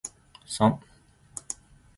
Thela amanzi anele ukwemboza amanqina ebhodweni.